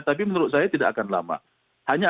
tapi menurut saya tidak akan lama hanya